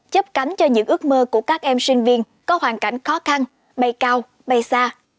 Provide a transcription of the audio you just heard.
chấp cánh cho những ước mơ của các em sinh viên có hoàn cảnh khó khăn bay cao bay xa